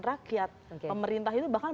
rakyat pemerintah itu bahkan